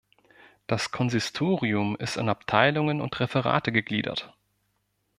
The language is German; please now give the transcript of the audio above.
Das Konsistorium ist in Abteilungen und Referate gegliedert.